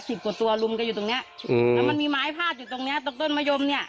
กว่าตัวลุมกันอยู่ตรงเนี้ยอืมแล้วมันมีไม้พาดอยู่ตรงเนี้ยตรงต้นมะยมเนี้ย